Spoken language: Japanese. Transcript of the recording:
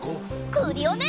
クリオネ！